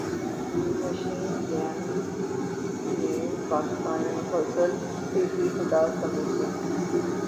Asian Games Pakistan نے مسلسل تیسری فتح سمیٹ لی